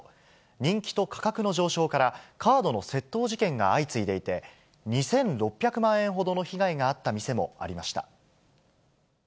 人気と価格の上昇から、カードの窃盗事件が相次いでいて、２６００万円ほどの被害があった店もありました。